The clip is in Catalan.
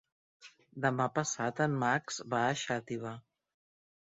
Demà passat en Max va a Xàtiva.